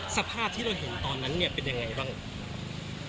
สภาพที่เราเห็นตอนนั้นเป็นอย่างไรบ้าง